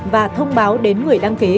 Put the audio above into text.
và thông báo đến người đăng ký